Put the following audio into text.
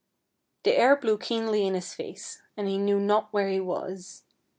The air blew keenly in his face, and he knew not where he was.